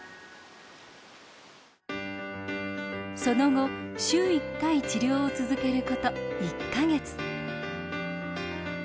その後週１回治療を続けること１か月。